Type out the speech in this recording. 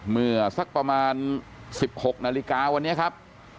เมื่อสักประมาณ๑๖นาฬิกาวันนี้ครับ